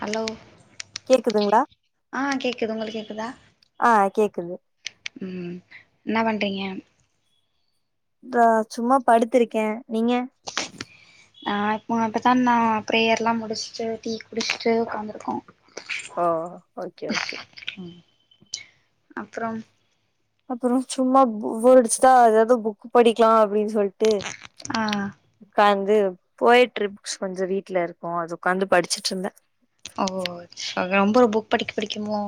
Hello கேக்குதுங்களா ஆ கேக்குது உங்களுக் கேக்குதா ஆ கேக்குது ம் என்ன பண்றிங்க நா சும்மா படுத்திருக்கே நீங்க ஆ இப்ப இப்பத்தா நா ப்ரேயர்லா முடிச்ட்டு டீ குடிச்ட்டு உக்காந்துருக்கோ ஓ ஓகே ஓகே அப்றம் அப்றோ சும்மா போர் அடிச்சுதா எதாவது புக் படிக்லா அப்டின் சொல்ட்டு ஆ உக்காந் து போயட்ரி புக்ஸ் கொஞ்ச வீட்ல இருக்கு அது உக்காந்து படிச்சுட்ருந்த ஓ சே ரொம்ப புக் படிக்க பிடிக்குமோ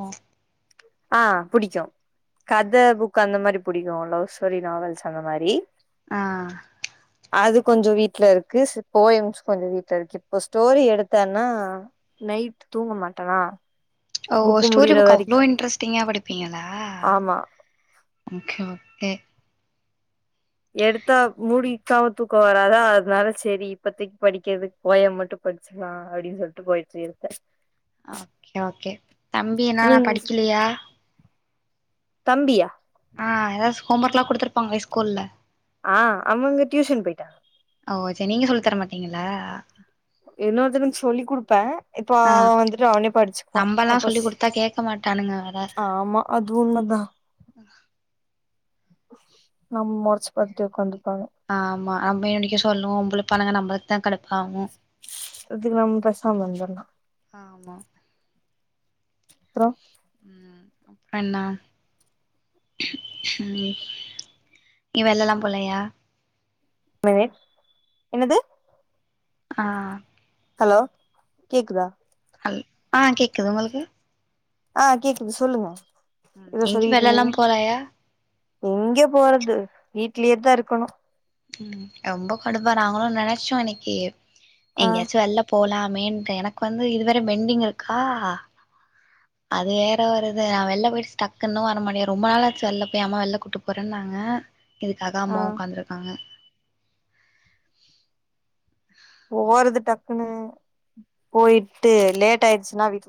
ஆ புடிக்கு கத புக் கு அந்த மாரி புடிக்கு லவ் ஸ்டோரி நாவல்ஸ் அந்த மாரி ஆ கொஞ்ச வீட்ல இருக்கு ஸ் போயம்ஸ் கொஞ்ச வீட்ல இருக்கு இப்போ ஸ்டோரி எடுத்தேன்னா நைட் தூங்க மாட்டனா ஓ ஸ்டோரி புக் அவ்ளோ இன்ட்ரெஸ்ட்டிங்கா படிப்பிங்களா ஆமா ஓகே ஓகே எடுத்தா மூடிக்காம தூக்க வராதா அதனால செரி இப்பத்தைக்கு படிக்கிறதுக்கு போயம் மட்டு படிச்சுக்லா அப்டின் சொல்ட்டு போயட்ரி எடுத்த ஓகே ஓகே தம்பி என்னானா நீங் படிக்கிலையா தம்பியா ஆ எதாது ஹோம் ஒர்க்லா குடுத்துருப்பாங்ளே ஸ்கூல்ல ஆ அவுங்க டியூஷன் போய்ட்டாக ஓ சரி நீங்க சொல்லி தர மாட்டீங்களா இன்னொருத்தனுக்கு சொல்லி் குடுப்பே இப்போ ஆ அவன் வந்துட்டு அவனே படிச்சுக்குவா நம்பல்லா அப்ப சொல்லி ஸ் குடுத்தா கேக்க மாட்டானுங்க வேற ஆமா அது உண்மதா நம் மொறச்சி பாத்துட்டே ஒக்காந்து ஆமா ஆம் மேனிக்கே சொல்லும் உன் புள்ள [unintelligible] அது ரொம் கஷ்டம் தா இதல்லா ஆமா ப்புறோ என்ன உ நீ வெளிளல்லா போலயா மினிட் என்னது ஆ ஹலோ கேக்குதா அல் ஆ கேக்குது உங்களுக்கு ஆ கேக்குது சொல்லுங்க ஏதோ எங்கேயு சொல்லிட்டு வெளிளல்லா இருந்தீங்க போலயா எங்க போறது வீட்லயே தா இருக்கணு ம் ரொம்ப கடுப்பா நாங்களு நெனச்சோ இன்னைக்கி ஆ எங்கயாச்சு வெள்ள போலா மேன்ட்டு எனக்கு வந்து இது வேற பெண்டிங் இருக்கா அது வேற வருது நா வெளில போயிட்டு டக்குன்னு வர முடியாது ரொம்ப நாளாச்சு வெளில போய் அம்மா வெளில கூட்டு போறே நாங்க இதுக்காக ஆ அம்மாவு உக்காந்துருக் ம் ஒவ்வறது டக் குனு போயிட்டு லேட் ஆயடுச்சுன்னா வீ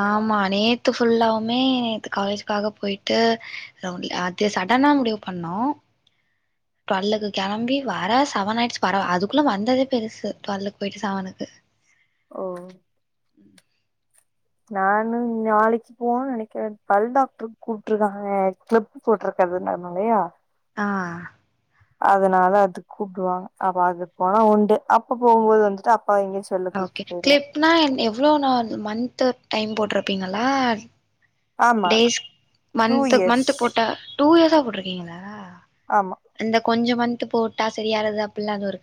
ஆமா நேத்து ஃபுல்லாவுமே நேத்து காலேஜ்க்காக போயிட்டு லோன்லி அது சடனா முடிவு பண்ணோ டுவலுக்கு கெளம்பி வர செவன் ஆயிடுச்சு வர அதுக்குள்ள வந்ததே பெருசு டுவலுக்கு போயிட்டு செவனுக்கு ஓ நானு நாளைக்கு போவ நெனைக்குறே பல் டாக்டருக்கு கூப்டுருக்காங்க ஏ கிளிப் போட்ருக்கது ந நாலையா ஆ அதுனால அது கூப்பிடுவாங்க அப்ப அதுக்கு போனா உண்டு அப்ப போம்போது வந்துட்டு அப் ஓகே கிளிப்னா என் எவ்ளோ நா ஒன் தட் டைம் போட்ருப்கிங்களே ஆமா days two month years month போட்டா டூ இயர்ஸ்ஸா போட்ருக்கீங்களா ஆமா கொஞ்சொ மந்து போட்டா சரியாறது அப்பில்லா எதுவு இரு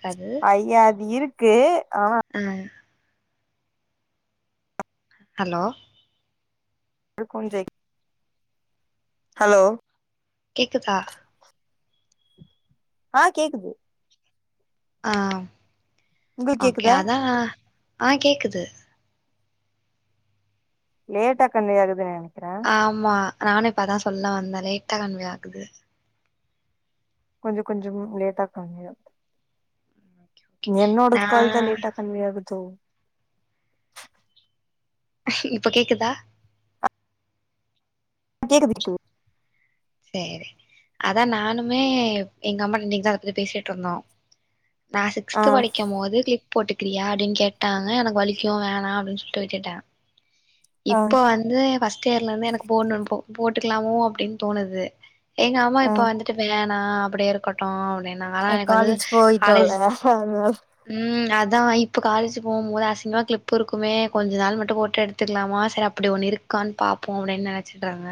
ஐயா அது இருக்கு ஆனா ஆ ஹலோ ஒரு கொஞ்ச ய் ஹலோ கேக்குதா ஆ கேக்குது ஆ உங்களுக்கு ஓகே கேக்குதா அதா ஆ கேக்குது லேட்டா கன்வே ஆகுது ந ஆமா நானு இப்பதா சொல்ல வந்தே லேட்டா கன்வே ஆகுது கொஞ்ச கொஞ்சம் லேட்டாகாங்கிய நா என்னோடத்து கால்தா லேட்டா கண்வே ஆகுதோ இப்ப கேக்குதா கேட்குது கேட்குது சரி அதான் நானுமே எங்க அம்மா இன்ங்க அதை பத்தி பேசிட்டு இருந்தோ நான் சிக்ஸ்த் ஆ படிக்கும்ப போது கிப் போட்டுக்கிறியா அப்படின்னு கேட்டாங்க எனக்கு வலிக்கும் வேணாம் அப்படின்னு சொல்லிட்டுட்டுட்டேன் ஆ இப்போ வந்து ஃபர்ஸ்ட் ஸ்டேர்லேந்து எனக்கு போடணும்னு போ போட்டுக்கலாமோ அப்படின்னு தோணுது எங்க அம்மா ஆ இப்ப வந்துட்டு வேன் ஆ அப்படி இருக்கட்டு அப்படின்னு அஹ் காலேஜ் போயிட்டோம்ல அதனால ான் இப்போ காலேஜ் போகும்போது அசிங்கமா கிளிப்பு இருக்குமே கொஞ்ச நாள் மட்டும் போட்டோ எடுத்துக்கலாம சரி அப்படி ஒன்று இருக்கான்னு ப பா்ப்போம் அப்படின்னு நினைச்சிடுறாங்க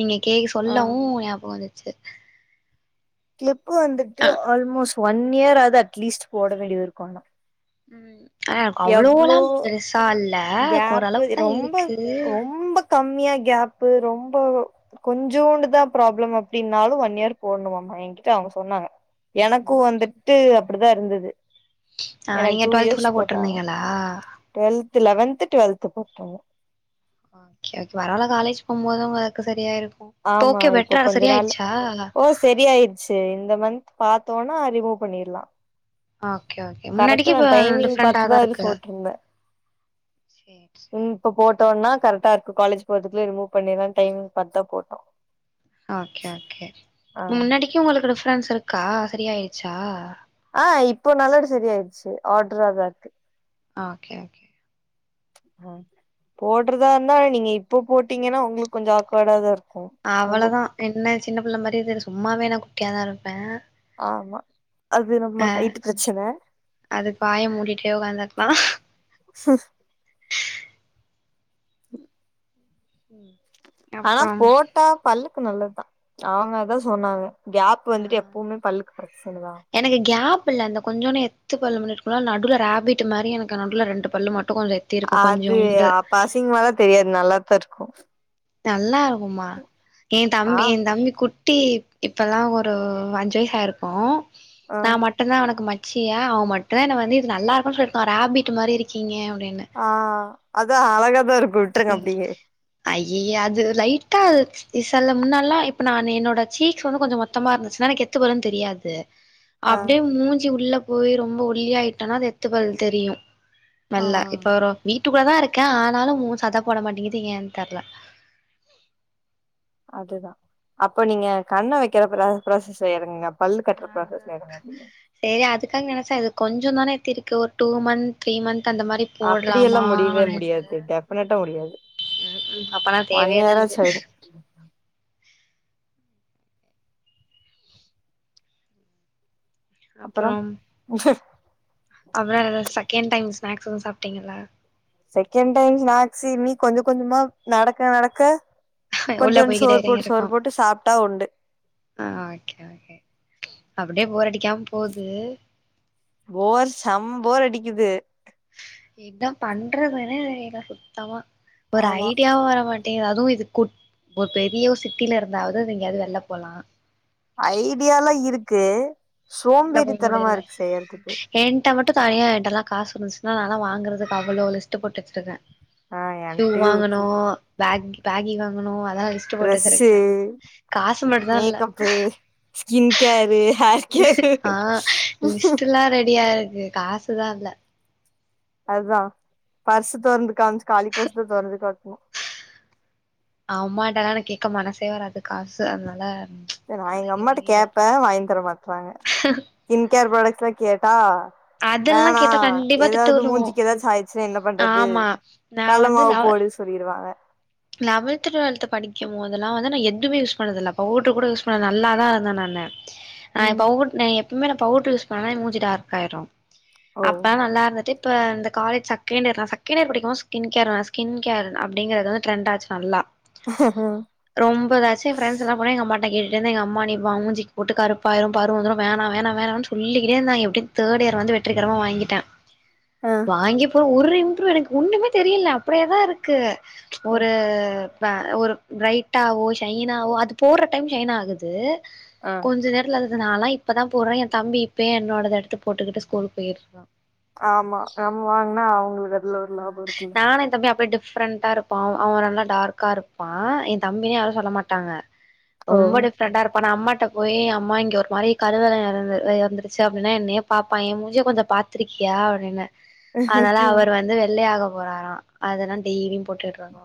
நீங்க கே்க சொல்லவும் ஞாபகம் வந்துச்சு கிளிப் கு வந்துட்டு ஆல்மோஸ்ட் ஒன் ஈயர் ஆது அட்லீஸ்ட் போட வேண்டியது இருக்கோல ம் ஆ அவ்ளோலாம் பெர்சா இல்ல கேப்பு ஓரளவுக்குதா ரொம்ப இருக்கு ரொம்ப கம்மியா கேப்பு ரொம்ப கொஞ்சூண்டுதா ப்ராப்ளம் அப்டின்னாலு ஒன் ஈயர் போட்ணுமாயின் என்கிட்ட அவுங்க சொன்னாங்க எனக்கு வந்துட்டு ப்டிதா இருந்தது ஆ எனக்கு நீங்க டூ டுவெல்த் ஈயர்ஸ் ஃபுல்லா போட்டாங்க போட்ருந்தீங்களா டுவெல்த் லெவன் து டுவெல்த் போட்டாங்க கே ஓகே வர வல காலேஜ் போம்போதும் ஒர்க்கு செரியாருக்கு ஆமா இப்போ கொஞ்ச நாள்ல ஓ செரியாயிர்ச்சு இந்த மந்த் பாத்தோனா ரிமூவ் பண்ணிர்லா ஆ கரெக்டா நா டைமிங் பாத்துதா இதுஸ் இருக்கு ஃபோட்டிருந்தே சேரி சேரி ம் இப்ப போ தோனா கரெக்டா இருக்கோ காலேஜ் போறதுக்குள்ள ரிமூவ் பண்ணிலான்னு டைமிங் பாத்துதா போட்டோ ஆ ஓகே ஓகே ஆ ம் முன்னாடிக்கு உங்குளுக்குற டிரான்ஸ்ஃபர்க்கா செரியாயிர்ச்சா ஆ இப்போ நல்லடு செரியாயிர்ச்சு ஓட்ராதா இருக்கு ஆ ஓகே ஓகே ஆ போட்றதாருந்தா நி நி இப்போ போட்டீங்கனா உங்குளுக்கு கொஞ்ச ஆக்வோர்ட்டாதா இரு அவளதா என்ன சின்ன புள்ள மாரி இது எதோ சு சும்மாவே நா குட்டியாதா இருப்பே ஆமா அது நம்ம ஆ ஹைட்டு பிரச்சன அது வாய மூடிட்டே உக்காந்துருக்கலா ஸ்சுங [inaudible] ஆனா அப்புறம் போட்டா பல்லு கு நல்லத்தா அவுங்க அதா சொன்னாங்க கேப் ஆ வந்துட்டு எப்புமே பல்லுக்கு பிரச்சினதா புல்ல அந்த கொஞ்சோனே எத்துப் பல்லு முன்னாடி முன்னால் நடுல ரேபிட் மாரி எனக்கு நடுல ரெண்டு பல்லு மட் அது அப்ப அசிங்மாலா தெரியாது நல்லாத்தா இருக்கோ த நல்லாருக்குமா எ ஆ தம்பி எ தம்பி குட் டி டிப்பெல்லா ஒரு அஞ்சு வயசாயிருக்கோ ஆ நா மட்டுந்தா அவனுக்கு ம சியா அவன் மட்டு்தான் என்ன வந்து இது நல்லா இருக்கும் சொல்லிட்டான் ராபிட் மாறி இருக்கீங்க அப்டின்னு ஆ அத அழகாதா இருகுட் ம் அய்யய்யே அது லைட்டா இ சல்ல முன்னெல்லா இப்ப நானு என்னோட சீக்ஸ் வந்து கொஞ்சோ மொத்தமா இருந்துச்சுன்னா எனக்கு எத்து பல்லுன்னு தெரியாது ஆ அப்டியே மூஞ்சி உள்ள போய் ரொம்ப ஒல்லி ஆயிட்டனா அந்த எத்து பல்லு தெரியும் ஆ நல்லா இப்ப ஒரோ வீட் ட்டுக்குள்ள தான் இருக்கன் ஆனாலும் மோஸ்ட் சதா போட மாட்டிங்குது ஏன்னு தெரியல அதுதான் அப்ப நீங்க கண்ணு வைக்கிற ப்ரா ப்ராசெஸ்சுல இறங்குங்க அப் செரி அதுக்காக நெனைச்சாது கொஞ்சோ தானே எத்தி இருக்கு ஒரு டூ மந்த் த்ரீ மந்த் அந்த மாரி அப்டியெல்லா போடலாமா முடியவே அப்டின்னு முடியாது டெபினட்டா முடியாது ம் ம் அப்பனா ஒன் தேவையே இல்ல இயர் எனக்கு ஆச்சு ஆயிடும் அப்புறம் அப்புறோ ஏதாவது செகண்ட் டைம் ஸ்நாக்ஸ் எதும் சாப்பிட்டீங்களா செகண்ட் டைம் ஸ்நாக்ஸ்ஸு இனி கொஞ்சோ கொஞ்சமா நடக்க நடக்க உள்ள கொஞ்சோனு போய்கிட்டே சோறு இறங்கி போட்டு இருக்கு சோறு போட்டு சாப்பிட்டா உண்டு அப்படியே போர் அடிக்காம போது போர் செம போர் அடிக்குது என்ன பண்றதுனே தெரியல சுத்தமா ஒரு ஆமா ஐடியாவும் வரமாட் தேததுவும் இது குட் ஒரு பெரியோ சிட்டியில இருந்தாவது எங்கேயாவது வெளில போலா ஐடியல்லா இருக்கு சோம்பேறித்தனமா இருக்கு செய்றதுக்கு எண்டமட்டு தனியா எண்டல்லா காசு இருந்துச்சுனா நான்ல்லா வாங்கறதுக்கு அவ்ளோ லிஸ்ட் போட்டு வச்சுட்டுருக்கே ஆ ஷூ என்ட்டயு இருக்கு வாங்கணும் பேக்கிங்கு பேகி வாங்கணும் அது ட்ரெஸ்ஸு மட்டுந்தா இல்ல makeup skin care hair care ஆ லிஸ்ட் எல்லா ரெடியா இருக் க்கு காசுதா இல்ல அதுதான் பர்ஸ் தொறந்து காமுச்சு காலி பர்ஸ்தான் தொறந்து காட்டணும் அம்மாட்டல்லா எனக்கு கேட்க மனசே வராது காசு அதனால நான் எங்க அடங்கி அம்மாட்ட ஒடுங்கி இருப்போ கேப்பேன் வாங்கி தர மாட்டறாங்க ஸ்கின் கேர் ப்ராடக்ட்ஸ் [unintelligible] கேட்டா அதெல்லா வேணா கேட்டா கண்டிப்பா திட்டு ஏதாவது விழுவு மூஞ்சிக்கு ஏதாவது ஆயிச்சுன்னா என்ன பண்றது ஆமா நா கடல வந்து மாவு லெவ போடுன்னு சொல்லிருவாங்க லெவல்த் டுவெல்த் படிக்குமோதெல்லா வந்து நா எதூமே யூஸ் பண்ணதில்ல பவுட்ர் கூட யூஸ் பண்ணல நல்லாதா இருந்தே நானு ஆ ம் பவுட் நா எப் ப்மே நா பவுடரு யூஸ் பண்ணா ஏ மூஞ்சு டார்க் ஆயிரூ ஓ அப்பல்லா நல்லா இருந்துட்டு ப இந்த காலேஜ் செகண்ட் இயர் நா செகண்ட் இயர் படிக்குமோத் ஸ்கின் கேர் வே ஸ்கின் கேர் அப்டிங்கிறது வ ட்ரெண்டாச்சு நல்லா ரொம்ப ஏதாச்சு ஏ ஃப்ரெண்ட்ஸ் எல்லா போனா எங்கம்மாட் ட கேட்டுட்டு எங்கம்மா நீ வ மூஞ்சிக்கு போட்டு கருப்பாயிரூ பரு வந்துரூ வேணா வேணா வேணானு சொல்லிக்கிட்டே இந்தாய்ங்க எப்டி தேர்ட் இயர் வந்து வெற்றிகரமா வாங்கிட்டே ஆ வாங்கிப்போ ஒரு இம்ப்ரூவ் எனக்கு ஒன்னுமே தெரில அப்டியே தா இருக்கு ஒரு வே ஒரு பிரைட்டாவோ ஷைனாவோ அது போடுற டைம் ஷைன் ஆகுது ஆ கொஞ்ச நேரத்துல அது து நாலா இப்பதா போடுறே ஏந்தம்பி இப்பயே என்னோடத எடுத்து போட்டுக்குட்டு ஸ்கூல் போயிட்றா ஆமா நம்ம வாங்கனா அவங்களுக்கு அத் ல ஒரு லாபோ இருக்குல்ல ரெண்டா இருப்போ அவ நல்லா டார்க்காருப்பா எந்தம்பினே யாரூ சொல்ல மாட்டாங்க ஓ ரொம்ப டிஃப்ரெண்டா இருப்பானா அம்மாட் ட போய் அம்மா இங்க ஒரு மாரி கருவேல நரம்பு எறந்துர்ச்சு அப்டின்னா என்னைய பாப்பாய்ங்க ஏ மூஞ்சிய பாத்துருக்கியா அப்டின்னு ளே ஆக போறாரா அதனா டெய்லி போட்டுட்ருக்கா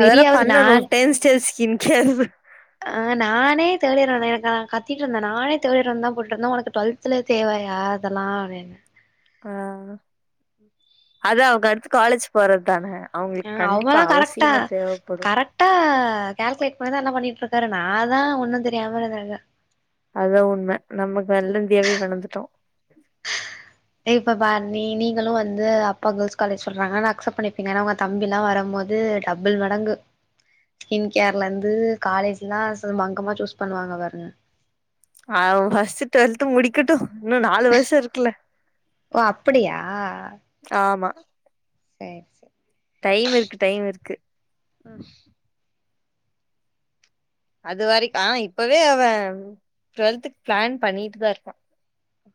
அதெல்லா பண்ணணூ ஒரு நான் டென்ஸ்டைல் ஸ்கின் கேர் ஆ நானே தேர்ட் இயர் [unintelligible] கத்திட்ருந்தே நானே தேர்ட் இயர் வந்துதா போட்டுட்ருந்தே உனக்கு டுவெல்த்துலே தேவையா இதெல்லா அப்டின் ஆ அதா அவுங்கடுத் காலேஜ் போறத்தானே ஆ அவங்கல்லா கரெக்டா கரெக்டா கால்குலேட் பண்ணிதா என்ன பண்ணிட் ருக்காரு நாதா ஒன்னுந் தெரியாம இருக்கே அதா உண்ம நம்மக் வெள்ளந்தியாவே வளந்துட்டோ இப்ப பார் நீ நீங்களூ வந்து அப்பா கேர்ள்ஸ் காலேஜ் சொல்றாங்கனு அக்சப்ட் பண்ணப்பீங்க ஆனா உங்க தம்பி எல்லா வரம்போது டபுள் மடங்கு ஸ்கின் கேர்லேந்து காலேஜ்லா சும்மா அங்கமா சூஸ் பண்ணுவாங்க பாருங்க அவ ஃபஸ்ட் டுவெல்த் முடிக்கட்டூ இன்னூ நாலு வருஷோ இருக்குல ஓ அப்படியா ஆமா சேரி சேரி டைம் இருக்கு டைம் இருக்கு அது வரை ஆ இப்பவே அவ டுவெல்த்துக் ப்ளான் பண்ணிட்டு தா இருக்கா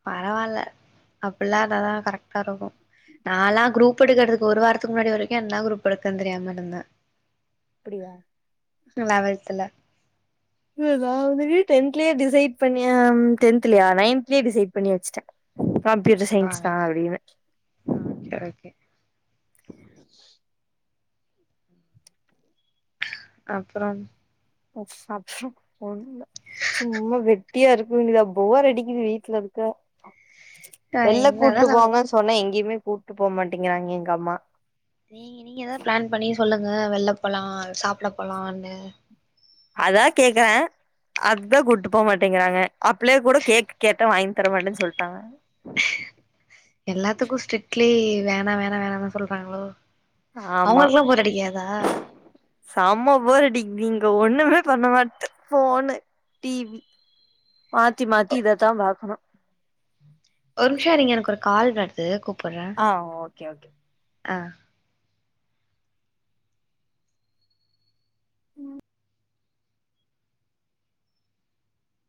பரவால்ல அப்பில்லா இருந்தாதா கரெக்ட்டாருக்கூ. நாலா க்ரூப் எடுக்கறதுக்கு ஒரு வாரத்துக்கு முன்னாடி வரைக்கூ என்ன க்ரூப் எடுக்கன் தெரியாமருந்தே அப்டியா லெவல்த்துல எதாவது டென்த் கிளியர் டிசைட் பண்ணியம் டென்தலையா நயன்த்லியே டிசைட் பண்ணி வச்சுட்டேன் கம்ப்யூட்டர் சயின்ஸ் ஓகே தான் அப்டினு ஓகே அப்புறம் [unintelligible] ஒன்னுல சும்மா வெட்டியா இருக்கவேண்டியதா போர் அடிக்குது வீட்ல இருக்க வேற வெள்ள என்னதா நா கூட்டுப்போங்க சொன்ன எங்க எங்கயுமே கூட்டு போ மாட்டிங்கிறாங்க எங்க அம்மா நீங்க நீங்க தான் பிளான் பண்ணி சொல்லுங்க எங்கனா வெள்ள போழாம் சாப்புட போலானு அதா கேக்குறேன் அத கூட்டு போமாட்டேங்குறாங்க அப்பலையே கூட கேக் கேட்ட வாங்கி தரமாட்டேன்னு சொல்லிட்டாங்க எல்லாத்துக்கும் ஸ்ட்ரிட்லி வேணா வேணா வேணானு சொல்றாங்களோ ஆமா அவங்களுக்குல்லா போர் அடிக்காதா செமபோருடி நீங்க ஒண்ணுமே பண்ண மாட்ட ஃபோனு டிவி மாத்தி மாத்தி இதத்தான் பாக்கணும் ஒரு நிமிஷோ நீங்க எனக்கு ஒரு கால் வருது கூப் ஆ ஓ கேஓகே ஆ